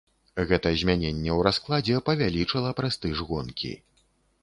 Гэта змяненне ў раскладзе павялічыла прэстыж гонкі.